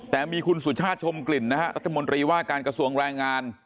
แต่มีคุณสุชาติชมกลิ่นนะฮะรัฐมนตรีว่าการกระทรวงแรงงาน